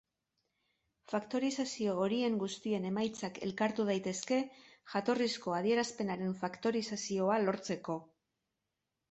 Faktorizazio horien guztien emaitzak elkartu daitezke jatorrizko adierazpenaren faktorizazioa lortzeko.